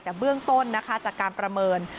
แต่เบื้องต้นนะคะจากการประเมิน